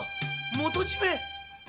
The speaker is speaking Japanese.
元締！